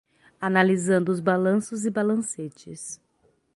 Analisando os balanços e balancetes